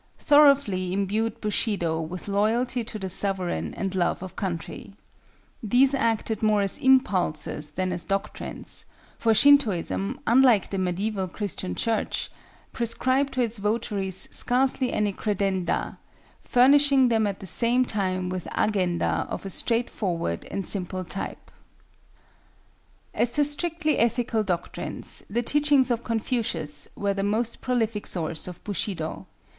—thoroughly imbued Bushido with loyalty to the sovereign and love of country. These acted more as impulses than as doctrines; for Shintoism, unlike the Mediæval Christian Church, prescribed to its votaries scarcely any credenda, furnishing them at the same time with agenda of a straightforward and simple type. [Footnote 6: "Feudal and Modern Japan" Vol. I, p. 183.] As to strictly ethical doctrines, the teachings of Confucius were the most prolific source of Bushido.